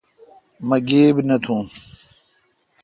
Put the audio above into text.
مہ گیبی نہ تھون۔